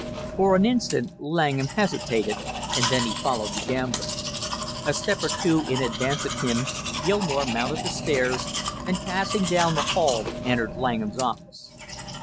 For an instant Langham hesitated, and then he followed the gambler. A step or two in advance of him, Gilmore mounted the stairs, and passing down the hall entered Langham's office.